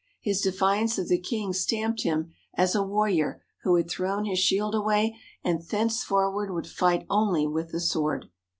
His defiance of the King stamped him as a warrior who had thrown his shield away and thenceforward would fight only with the sword.